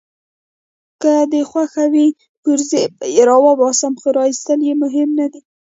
که دي خوښه وي پرزې به يې راوباسم، خو راایستل يې مهم نه دي.